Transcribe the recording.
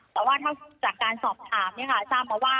แต่ถ้าจากการสอบถามเนี่ยค่ะ